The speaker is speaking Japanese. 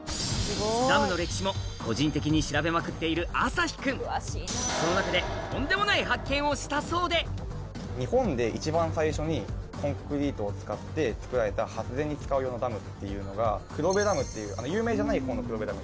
ダムの歴史も個人的に調べまくっている旭君その中で日本で一番最初にコンクリートを使って造られた発電に使う用のダムっていうのが黒部ダムっていう有名じゃない方の黒部ダム。